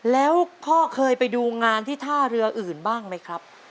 แล้วพ่อเคยไปดูงานที่ท่าเรืออื่นบ้างไหมครับ